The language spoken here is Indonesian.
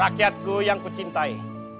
rakyatku yang kucintai